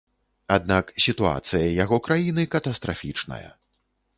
Аднак сітуацыя яго краіны катастрафічная.